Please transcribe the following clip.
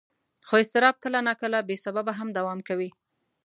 خو اضطراب کله ناکله بې سببه هم دوام کوي.